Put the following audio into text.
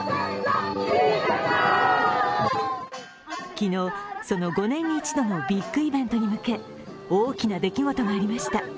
昨日、その５年に一度のビッグイベントに向け、大きな出来事がありました。